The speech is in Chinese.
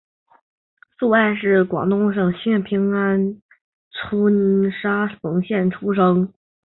黎艾是广义省思义府慕德县知德总平安村沙平邑出生。